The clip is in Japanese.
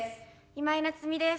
今井菜津美です。